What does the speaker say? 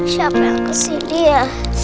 siapa yang kesini ya